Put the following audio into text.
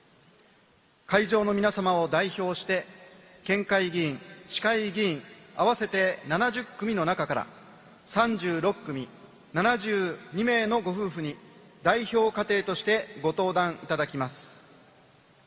会場の皆様を代表して、県会議員、市会議員合わせて７０組の中から、３６組７２名のご夫婦に代表家庭としてご登壇いただきます。